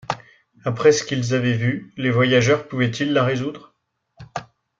Après ce qu’ils avaient vu, les voyageurs pouvaient-ils la résoudre?